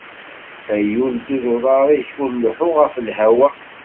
A yul ddu d uḍaṛ-ik, ur leḥḥu ɣef lhawa!